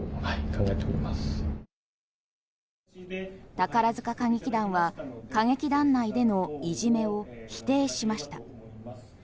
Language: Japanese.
宝塚歌劇団は歌劇団内でのいじめを否定しました。